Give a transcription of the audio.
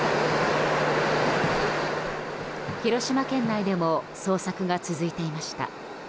広島県内でも捜索が続いていました。